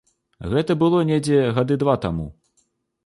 Гэта было недзе гады два таму.